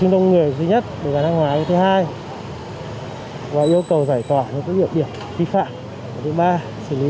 đông người các cửa hàng đảm bảo trật tự đô thị